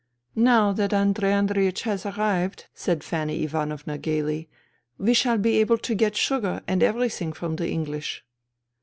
" Now that Andrei Andreiech has arrived," said Fanny Ivanovna gaily, " we shall be able to get sugar and everything from the English."